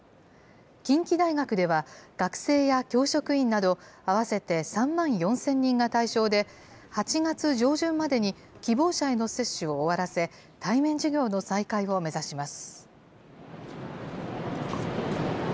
近畿大学では、学生や教職員など合わせて３万４０００人が対象で、８月上旬までに希望者への接種を終わらせ、対面授業の再開を目指します。